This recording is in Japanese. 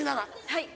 はい。